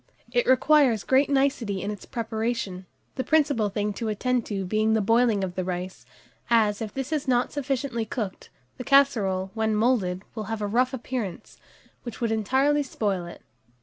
It requires great nicety in its preparation, the principal thing to attend to being the boiling of the rice, as, if this is not sufficiently cooked, the casserole, when moulded, will have a rough appearance, which would entirely spoil it.